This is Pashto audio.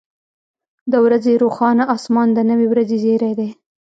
• د ورځې روښانه اسمان د نوې ورځې زیری دی.